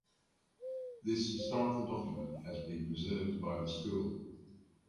This historical document has been preserved by the school.